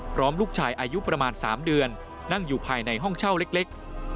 พร้อมลูกชายอายุประมาณ๓เดือนนั่งอยู่ภายในห้องเช่าเล็ก